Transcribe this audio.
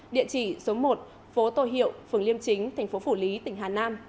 địa chỉ số một phố tô hiệu phường liêm chính tp phủ lý tỉnh hà nam